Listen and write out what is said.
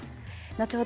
後ほど